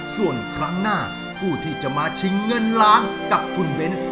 ส่วนครั้งหน้าผู้ที่จะมาชิงเงินล้านกับคุณเบนส์